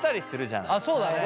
そうだね。